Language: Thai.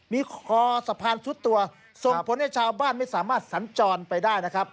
มีคอสะพานซุดตัวส่งผลให้ชาวบ้านไม่สามารถสัญจรไปได้นะครับ